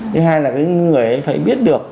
thứ hai là cái người ấy phải biết được